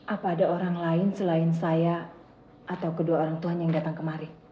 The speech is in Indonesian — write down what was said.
apa ada orang lain selain saya atau kedua orang tuanya yang datang kemari